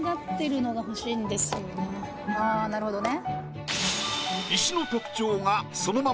ああなるほどね。